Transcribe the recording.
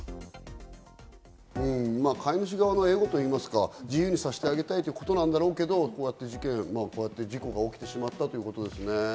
飼い主側のエゴと言いますか、自由にさせてあげたいということなんだろうけど、こういった事件・事故が起きてしまったということですね。